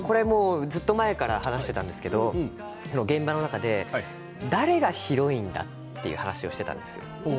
ずっと前から話していたんですけど現場の中で誰がヒロインだという話をしていたんです。